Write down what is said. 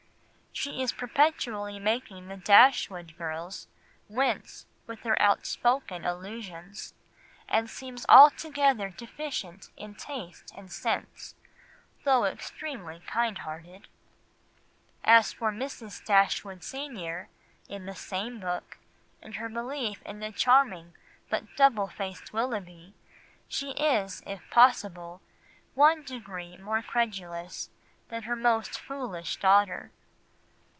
She is perpetually making the Dashwood girls wince with her outspoken allusions, and seems altogether deficient in taste and sense, though extremely kind hearted. As for Mrs. Dashwood senior, in the same book, in her belief in the charming but double faced Willoughby, she is, if possible, one degree more credulous than her most foolish daughter.